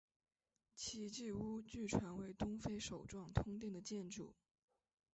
奇迹屋据传为东非首幢通电的建筑。